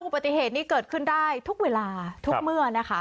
ปฏิเหตุนี้เกิดขึ้นได้ทุกเวลาทุกเมื่อนะคะ